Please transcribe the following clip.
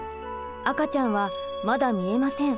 赤ちゃんはまだ見えません。